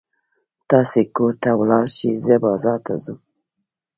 تاسې کور ته ولاړ شئ، زه بازار ته ځم.